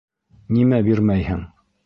Ниңә бирмәйһең?